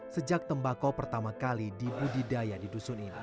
sejak tembakau pertama kali dibudidaya di dusun ini